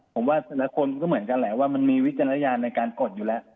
ผมว่าแต่ละคนก็เหมือนกันแหละว่ามันมีวิจารณญาณในการกดอยู่แล้ว